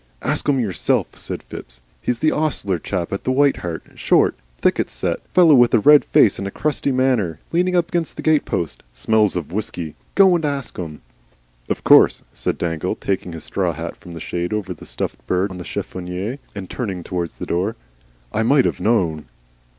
"Ask him yourself," said Phipps. "He's an ostler chap in the White Hart, short, thick set fellow, with a red face and a crusty manner. Leaning up against the stable door. Smells of whiskey. Go and ask him." "Of course," said Dangle, taking his straw hat from the shade over the stuffed bird on the chiffonier and turning towards the door. "I might have known."